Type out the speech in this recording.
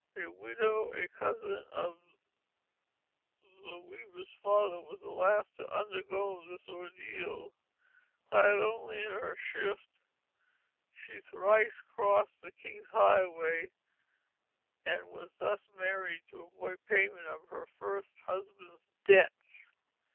A widow, a cousin of the Weaver Rose's father, was the last to undergo this ordeal; clad only in her shift, she thrice crossed the King's Highway and was thus married to avoid payment of her first husband's debts.